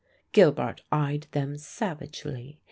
Gilbart eyed them savagely.